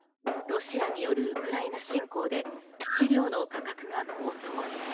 ロシアによるウクライナ侵攻で飼料の価格が高騰。